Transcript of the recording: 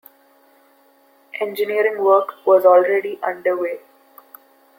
Engineering work was already under way.